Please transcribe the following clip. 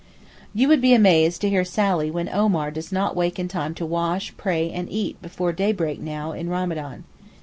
You would be amused to hear Sally when Omar does not wake in time to wash, pray, and eat before daybreak now in Ramadán.